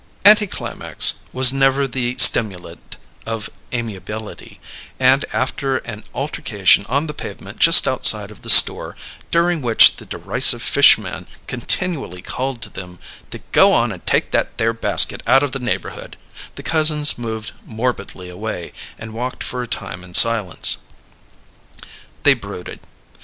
Anticlimax was never the stimulant of amiability, and, after an altercation on the pavement just outside of the store, during which the derisive fish man continually called to them to go on and take that there basket out of the neighbourhood, the cousins moved morbidly away, and walked for a time in silence. They brooded.